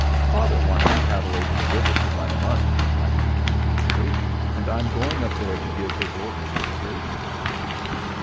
"Father wants the cattle over the river to run a month," I returned easily, "and I'm going up there to give his orders to the grazers."